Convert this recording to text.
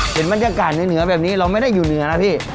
เห็นบรรยากาศเหนือแบบนี้เราไม่ได้อยู่เหนือนะพี่